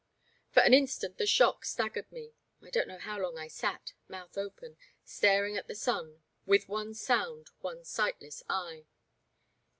For an instant the shock staggered me. I don't know how long I sat, mouth open, staring at the sun with one sound, one sightless eye.